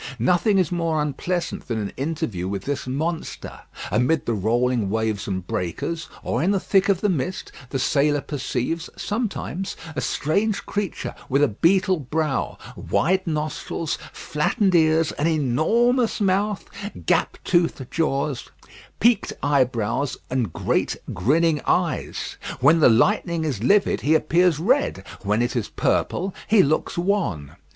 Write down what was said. Nothing is more unpleasant than an interview with this monster: amid the rolling waves and breakers, or in the thick of the mist, the sailor perceives, sometimes, a strange creature with a beetle brow, wide nostrils, flattened ears, an enormous mouth, gap toothed jaws, peaked eyebrows, and great grinning eyes. When the lightning is livid, he appears red; when it is purple, he looks wan.